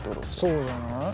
そうじゃない？